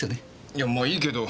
いやまあいいけど。